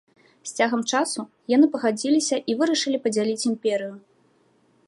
З цягам часу, яны пагадзіліся і вырашылі падзяліць імперыю.